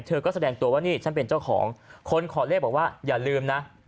เธอก็แสดงตัวว่านี่ฉันเป็นเจ้าของคนขอเลขบอกว่าอย่าลืมนะ